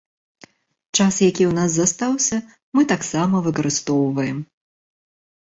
Час, які ў нас застаўся, мы таксама выкарыстоўваем.